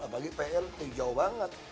apalagi plt jauh banget